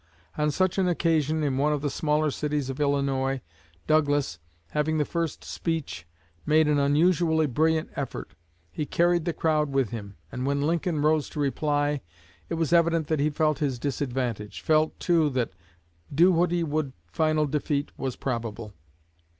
On such an occasion, in one of the smaller cities of Illinois, Douglas, having the first speech, made an unusually brilliant effort. He carried the crowd with him; and when Lincoln rose to reply, it was evident that he felt his disadvantage felt, too, that do what he would final defeat was probable.